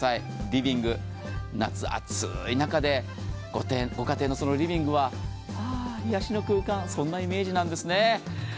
リビング、夏、暑い中でご家庭のリビングは癒やしの空間そんなイメージなんです。